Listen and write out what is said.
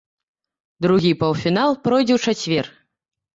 Другі паўфінал пройдзе ў чацвер.